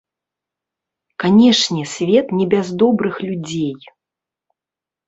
Канешне, свет не без добрых людзей.